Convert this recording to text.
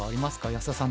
安田さん